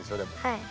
はい。